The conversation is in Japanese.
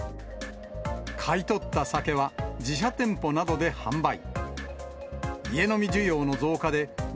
買い取った酒は、自社店舗などで販売。